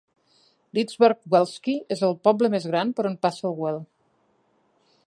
Lidzbark Welski és el poble més gran per on passa el Wel.